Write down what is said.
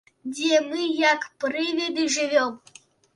Дзе мы, як прывіды, жывём.